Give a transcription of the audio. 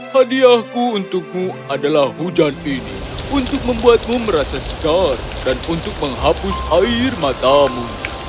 hadiahku untukmu adalah hujan ini untuk membuatmu merasa segar dan untuk menghapus air matamu